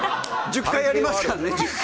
１０回やりますからね。